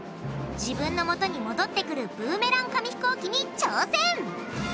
自分のもとに戻ってくるブーメラン紙ひこうきに挑戦！